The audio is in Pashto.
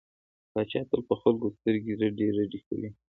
پاچا تل په خلکو سترګې رډې رډې کوي.